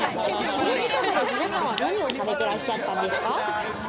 この時間まで皆さんは何をされてらっしゃったんですか？